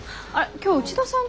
今日内田さんと。